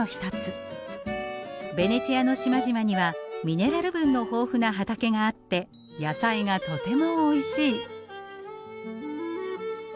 ベネチアの島々にはミネラル分の豊富な畑があって野菜がとてもおいしい。